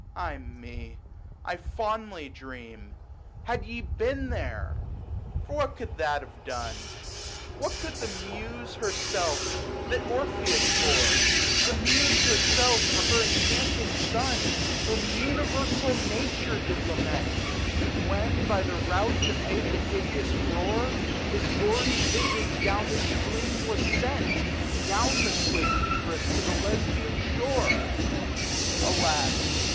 Ay me ! I fondly dream " Had ye been there," ... for what could that have done ?, What could the Muse herself that Orpheus bore, The Muse herself, for her enchanting son, Whom universal nature did lament, 60 When, by the rout that made the hideous roar, His gory visage down the stream was sent, Down the swift Hebrus to the Lesbian shore ?/ Alas